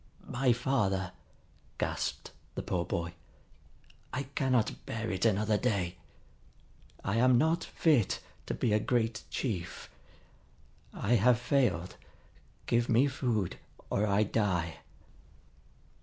"My father," gasped the poor boy. "I cannot bear it another day. I am not fit to be a great chief. I have failed. Give me food, or I die!"